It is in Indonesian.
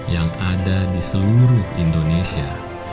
yang ada di seluruh indonesia